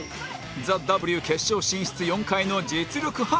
ＴＨＥＷ 決勝進出４回の実力派コンビ